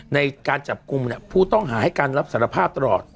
ในการจับกลุ่มผู้ต้องหาให้การรับสารภาพตลอด